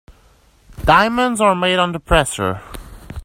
Diamonds are made under pressure.